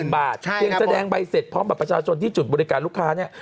เพียงแสดงใบเสร็จพร้อมบัตรประชาชนที่จุดบริการลูกค้าเนี่ย